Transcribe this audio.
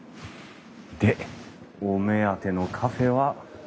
でお目当てのカフェは。